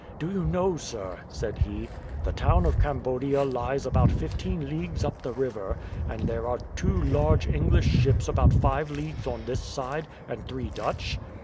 Do you know, sir," said he, "the town of Cambodia lies about fifteen leagues up the river; and there are two large English ships about five leagues on this side, and three Dutch?"